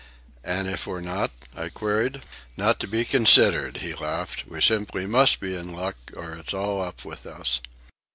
"And if we're not?" I queried. "Not to be considered," he laughed. "We simply must be in luck, or it's all up with us."